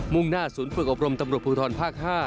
มุ่งหน้าศูนย์ปรึกอบรมดนพภาค๕